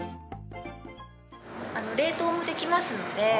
冷凍もできますので。